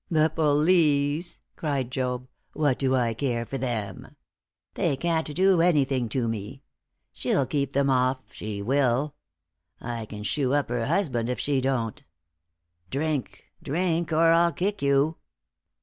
"The police!" cried Job. "What do I care for them! They can't do anything to me; she'll keep them off she will. I can shew up her husband it she don't. Drink, drink, or I'll kick you!"